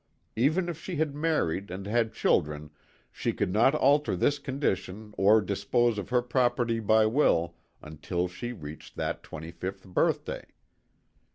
Even if she had married and had children she could not alter this condition or dispose of her property by will until she reached that twenty fifth birthday.